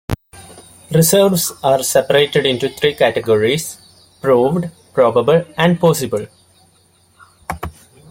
Reserves are separated into three categories: proved, probable, and possible.